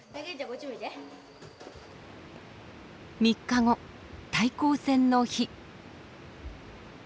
３日後対抗戦の日。